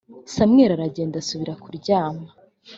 samweli aragenda asubira kuryama .